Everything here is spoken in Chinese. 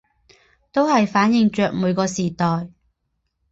都是反映著每个时代